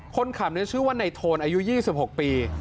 คนขับชื่อว่าในโทนอายุ๒๖ปี